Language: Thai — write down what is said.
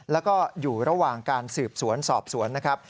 แล้วก็อยู่ระหว่างการสืบสวนสอบสวนนะครับ